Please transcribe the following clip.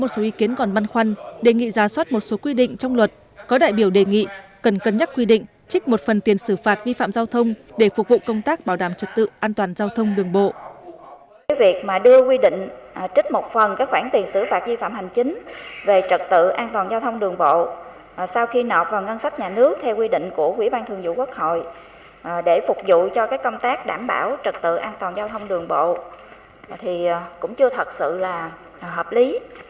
sau khi nộp vào ngân sách nhà nước theo quy định của quỹ ban thường dụ quốc hội để phục vụ cho các công tác đảm bảo trật tự an toàn giao thông đường bộ thì cũng chưa thật sự là hợp lý